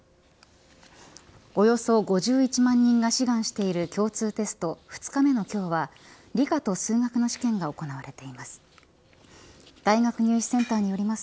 およそ５１万人が志願している共通テスト２日目の今日は理科と数学の試験が行われています。